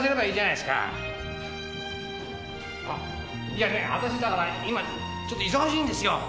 いやね私だから今ちょっと忙しいんですよ。